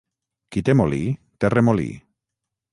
Qui té molí té remolí.